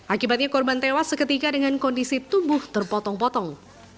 akibatnya korban tewas seketika dengan kondisi tubuh terpotong potong